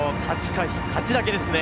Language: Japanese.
勝ちだけですね